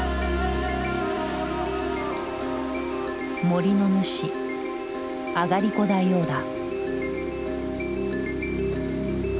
森の主あがりこ大王だ。